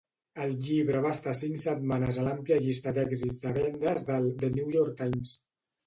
El llibre va estar cinc setmanes a l'àmplia llista d'èxits de vendes del "The New York Times".